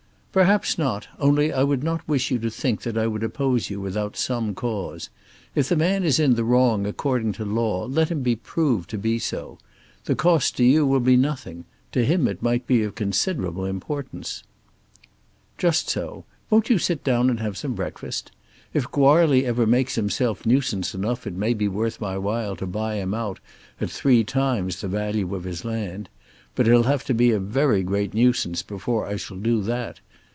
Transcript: "Perhaps not; only I would not wish you to think that I would oppose you without some cause. If the man is in the wrong according to law let him be proved to be so. The cost to you will be nothing. To him it might be of considerable importance." "Just so. Won't you sit down and have some breakfast? If Goarly ever makes himself nuisance enough it may be worth my while to buy him out at three times the value of his land. But he'll have to be a very great nuisance before I shall do that.